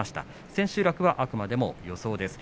千秋楽は、あくまでも予想です。